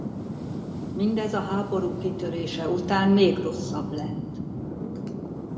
Mindez a háború kitörése után még rosszabb lett.